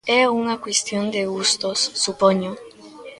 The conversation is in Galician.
É unha cuestión de gustos, supoño.